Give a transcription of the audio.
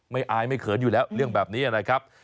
อายไม่เขินอยู่แล้วเรื่องแบบนี้นะครับ